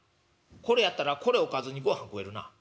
これやったらこれおかずにごはん食えるな。